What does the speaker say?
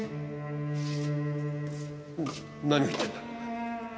何を言ってるんだ！？